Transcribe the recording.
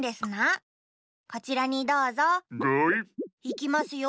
いきますよ。